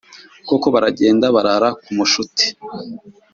koko baragenda barara ku mushuti